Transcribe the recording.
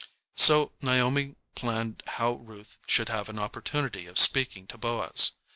So Naomi planned how Ruth should have an opportunity of speaking to Boaz.